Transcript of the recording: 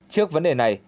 trước vấn đề này